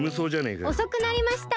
おそくなりました。